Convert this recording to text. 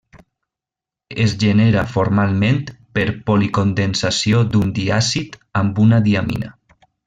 Es genera formalment per policondensació d'un diàcid amb una diamina.